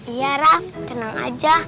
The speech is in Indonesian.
iya raff tenang aja